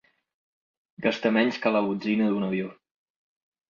Gasta menys que la botzina d'un avió.